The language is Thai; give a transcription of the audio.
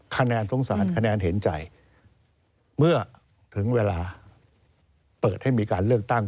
คะแนนสงสารคะแนนเห็นใจเมื่อถึงเวลาเปิดให้มีการเลือกตั้ง